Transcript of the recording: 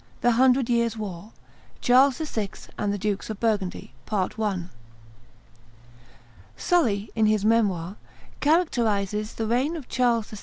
THE HUNDRED YEARS' WAR CHARLES VI. AND THE DUKES OF BURGUNDY. Sully, in his Memoirs, characterizes the reign of Charles VI.